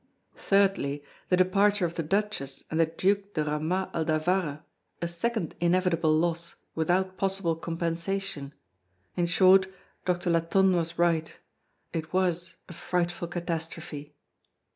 Thirdly: The departure of the Duchess and the Duke de Ramas Aldavarra, a second inevitable loss without possible compensation. In short, Doctor Latonne was right. It was a frightful catastrophe."